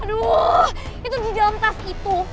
aduh itu di dalam tas itu